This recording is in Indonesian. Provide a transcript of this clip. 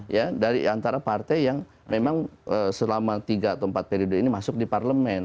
ya dari antara partai yang memang selama tiga atau empat periode ini masuk di parlemen